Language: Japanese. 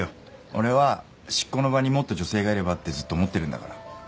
俺は執行の場にもっと女性がいればってずっと思ってるんだから。